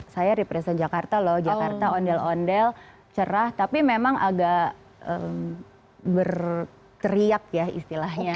saya represent jakarta loh jakarta ondel ondel cerah tapi memang agak berteriak ya istilahnya